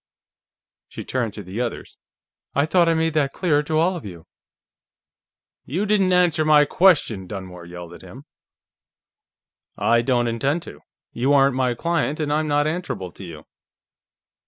She turned to the others. "I thought I made that clear to all of you." "You didn't answer my question!" Dunmore yelled at him. "I don't intend to. You aren't my client, and I'm not answerable to you."